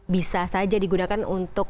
bisa saja digunakan untuk